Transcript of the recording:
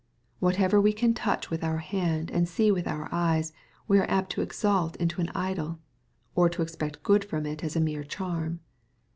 "Whatever we can touch with our hand, and see with our eyes, we are apt to exalt into an idol, or to expect good from it as a mere charm.